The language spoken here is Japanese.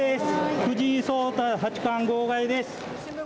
藤井聡太八冠号外です。